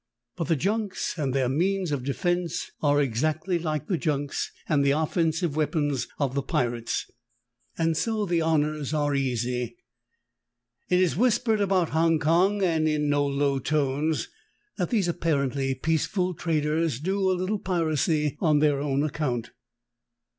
But the junks and their means of defense are exactly like the junks and the offensive weapons of the pirates, and so 78 THE TALKING HANDKERCHIEF. the honors are easy. It is whispered about Hong Kong, and in no low tones, that these apparently peaceful traders sometimes do a little piracy on their own account.